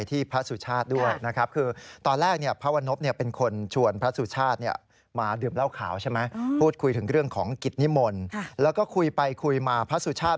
ทางว่าบาทเจ็บมันทั้งสองรูป